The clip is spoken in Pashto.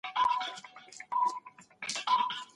نوښت د ژوند لپاره مهم دی.